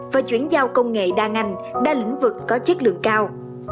và chuyển giao công nghệ đa ngành đa lĩnh vực có chất lượng cao